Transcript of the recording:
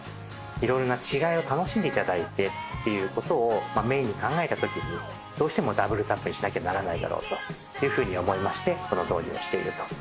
いろいろな違いを楽しんでいただいてっていうことをメインに考えたときにどうしてもダブルタップにしなきゃならないだろうというふうに思いましてこの導入をしていると。